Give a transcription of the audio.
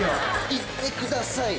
「いってください。